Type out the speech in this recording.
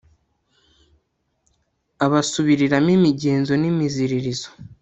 abasubiriramo imigenzo n'imiziririzo